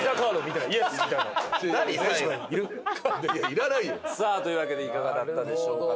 いらないよさあというわけでいかがだったでしょうか？